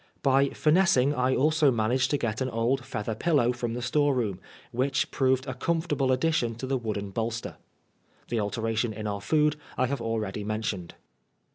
By finess* ing I also managed to get an old feather pillow from the store room, which proved a comfortable addition to the wooden bolster. The alteration in our food I have already mentioned.